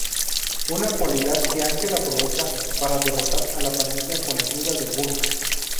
Una cualidad que Ángel aprovecha para derrotar a la pandilla con ayuda de Gunn.